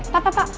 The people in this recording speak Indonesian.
pak pak pak